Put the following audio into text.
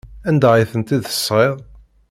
Anda ay tent-id-tesɣiḍ?